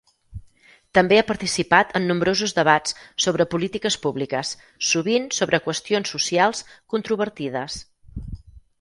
També ha participat en nombrosos debats sobre polítiques públiques, sovint sobre qüestions socials controvertides.